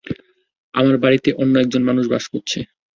আমার বাড়িতে অন্য একজন মানুষ বাস করছে।